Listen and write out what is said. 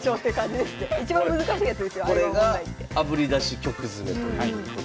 これがあぶり出し曲詰ということでございます。